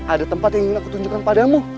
ada tempat yang ingin aku tunjukkan padamu